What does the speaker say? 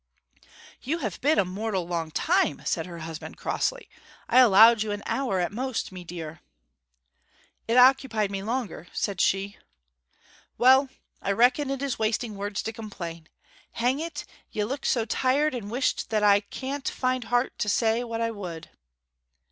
'You have been a mortal long time!' said her husband, crossly. 'I allowed you an hour at most, mee deer.' 'It occupied me longer,' said she. 'Well I reckon it is wasting words to complain. Hang it, ye look so tired and wisht that I can't find heart to say what I would!'